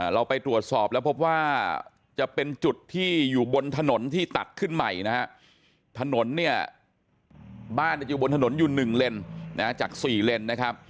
เราไปตรวจสอบแล้วพบว่าจะเป็นจุดที่อยู่บนถนนที่ตัดขึ้นใหม่นะฮะถนนเนี่ยบ้านอยู่บนถนนอยู่๑เลนจาก๔เลนนะครับ